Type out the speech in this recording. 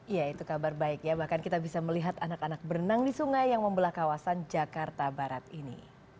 ya itu kabar baik ya bahkan kita bisa melihat anak anak berenang di sungai yang membelah kawasan jakarta barat ini